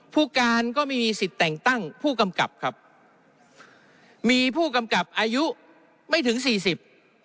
ผู้การก็ไม่มีสิทธิ์แต่งตั้งผู้กำกับครับมีผู้กำกับอายุไม่ถึงสี่สิบ